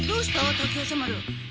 滝夜叉丸。